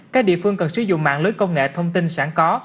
các địa phương cần sử dụng mạng lưới công nghệ thông tin sẵn có